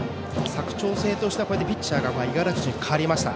佐久長聖としてはピッチャーが五十嵐君に代わりました。